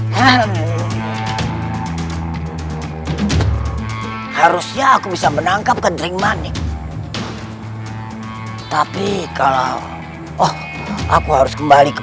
hai harusnya aku bisa menangkap kentering manik tapi kalau oh aku harus kembali ke